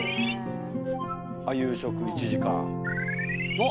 夕食１時間。